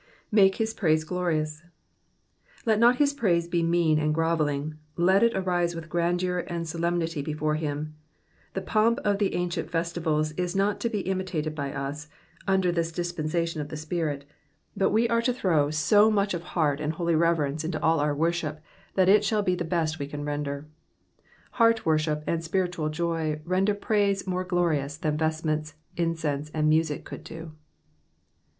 ''''Make his praise glorious,^^ Let not his praise be mean and grovelling : let it arise with grandeur and solemnity before him. The pomp of the ancient festivals is not to be imitated by us, under this dis pensation of the Spirit, but we are to throw so much of heart and holy reverence mto all our worship that it shall be the best we can render. Heart worship and spiritual joy render praise more glorious than vestments, incense, and music could do.